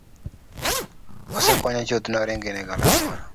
Osekwanye chuth noringi ne galamoro